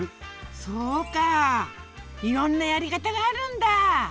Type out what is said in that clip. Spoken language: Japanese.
そうかあいろんなやり方があるんだ。